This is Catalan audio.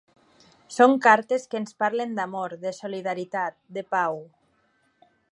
Són cartes que ens parlen d’amor, de solidaritat, de pau.